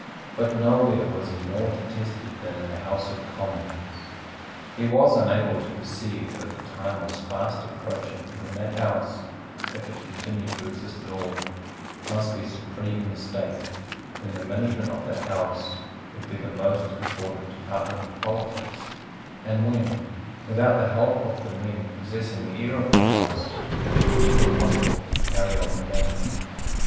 But nowhere was he more detested than in the House of Commons. He was unable to perceive that the time was fast approaching when that House, if it continued to exist at all, must be supreme in the state, when the management of that House would be the most important department of politics, and when, without the help of men possessing the ear of that House, it would be impossible to carry on the government.